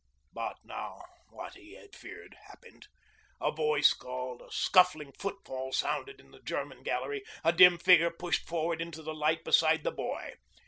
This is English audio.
But now what he had feared happened. A voice called, a scuffling footfall sounded in the German gallery, a dim figure pushed forward into the light beside the boy.